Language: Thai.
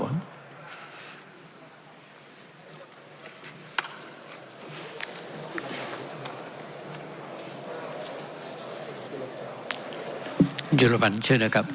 จุฬพันธ์เชิญนะครับ